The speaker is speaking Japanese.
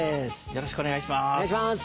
よろしくお願いします。